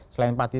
selain pak tito